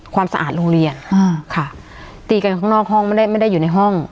ความสะอาดโรงเรียนอ่าค่ะตีกันข้างนอกห้องไม่ได้ไม่ได้อยู่ในห้อง